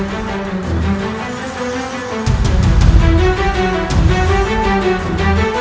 kanda tidak bisa menghadapi rai kenterimanik